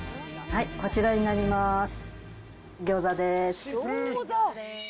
こちらになります。